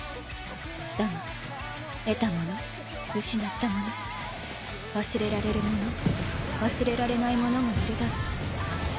だが得たもの失ったもの忘れられる者忘れられない者もいるだろう。